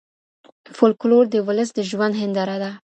فولکلور د ولس د ژوند هنداره ده.